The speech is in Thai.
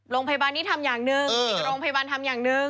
โรงพยาบาลนี้ทำอย่างหนึ่งอีกโรงพยาบาลทำอย่างหนึ่ง